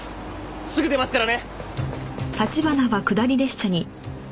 すぐ出ますからね！